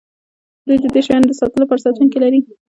دوی د دې شیانو د ساتلو لپاره ساتونکي لري